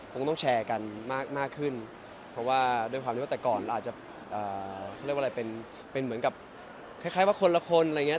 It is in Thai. คงต้องแชร์กันมากขึ้นเพราะว่าด้วยความที่ว่าแต่ก่อนอาจจะเขาเรียกว่าอะไรเป็นเหมือนกับคล้ายว่าคนละคนอะไรอย่างนี้